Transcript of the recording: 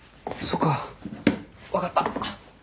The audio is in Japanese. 分かった。